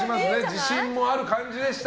自信もある感じでした。